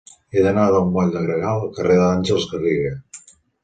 He d'anar del moll de Gregal al carrer d'Àngels Garriga.